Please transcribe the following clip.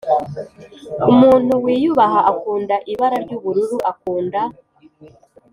umuntu wiyubaha, akunda ibara ryubururu, akunda